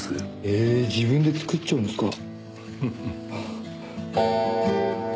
え自分で作っちゃうんですか。